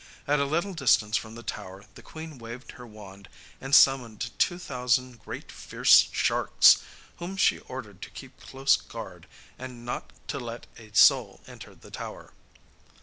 At a little distance from the tower the queen waved her wand and summoned two thousand great fierce sharks, whom she ordered to keep close guard, and not to let a soul enter the tower.